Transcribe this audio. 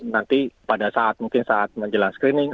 nanti pada saat mungkin saat menjelang screening